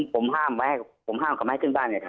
ผมห้ามกลับมาให้ขึ้นบ้านเนี่ยครับ